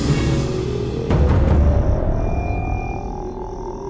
tidak ada satu